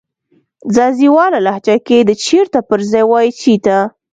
ځاځيواله لهجه کې د "چیرته" پر ځای وایې "چیته"